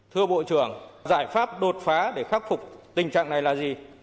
thưa bộ trưởng giải pháp đột phá để khắc phục tình trạng này là gì